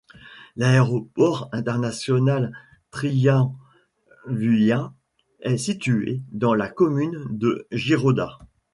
L'aéroport international Traian-Vuia est situé dans la commune de Ghiroda.